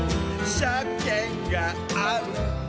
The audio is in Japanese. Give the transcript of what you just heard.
「シャケがある」